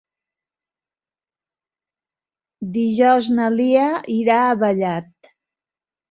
Dijous na Lia irà a Vallat.